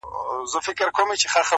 آب حیات د بختورو نصیب سینه!!